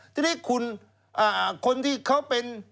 ทีนี้คุณคนที่เขาเป็น